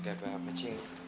kerja gue apa cing